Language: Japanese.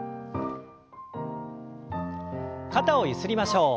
肩をゆすりましょう。